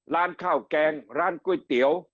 ร้านข้าวแกงร้านก๋วยเตี๋ยว